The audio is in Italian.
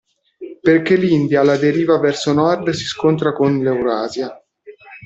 Perché l'India alla deriva verso nord si scontra con l'Eurasia.